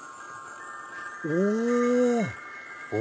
お！